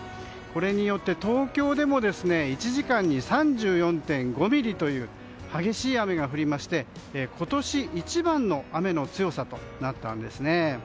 これによって東京でも１時間に３４．５ミリという激しい雨が降りまして今年一番の雨の強さとなったんですね。